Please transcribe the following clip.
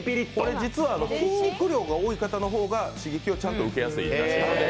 実は筋肉量が多い方の方が刺激をちゃんと受けやすいんですね。